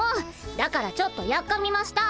だからちょっとやっかみました。